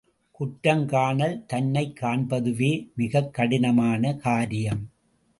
குற்றம் காணல் தன்னைக் காண்பதுவே மிகக் கடினமான காரியம்.